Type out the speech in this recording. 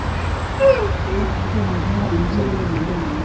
ya Japani Ilikuwa mara ya kwanza kwa taifa la Asia kushinda nchi ya watu